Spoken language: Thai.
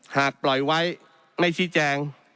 หากปล่อยไว้ไม่ชี้แจง